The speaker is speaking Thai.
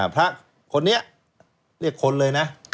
พระคนนี้เรียกคนเลยนะ